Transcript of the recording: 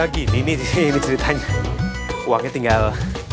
gini ini ceritanya uangnya tinggal dua ribu